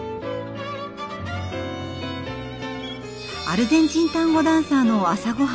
アルゼンチンタンゴダンサーの朝ごはん